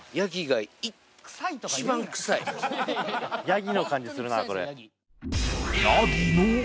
ヤギの感じするなこれ。